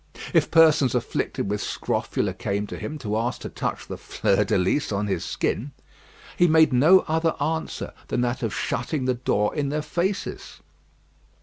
If persons afflicted with scrofula came to him to ask to touch the fleur de lys on his skin, he made no other answer than that of shutting the door in their faces.